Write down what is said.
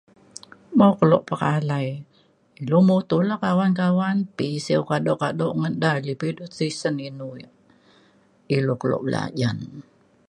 mok kelo pekalai ilu mutu la kawan kawan pisiu kado kado ngan da je pa ilu tisen inu yak ilu kelo belajan